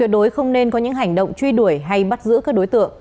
đối không nên có những hành động truy đuổi hay bắt giữ các đối tượng